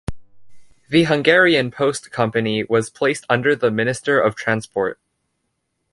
The Hungarian Post Company was placed under the Minister of Transport.